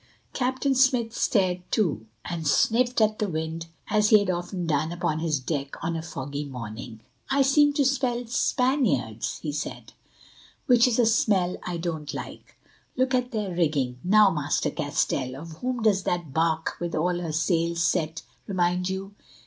Captain Smith stared too, and sniffed at the wind as he had often done upon his deck on a foggy morning. "I seem to smell Spaniards," he said, "which is a smell I don't like. Look at their rigging. Now, Master Castell, of whom does that barque with all her sails set remind you?"